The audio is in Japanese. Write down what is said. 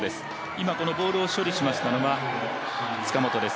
今このボールを処理しましたのが塚本です。